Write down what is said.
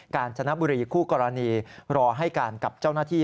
การจนบุรีคู่กรณีรอให้การกับเจ้าหน้าที่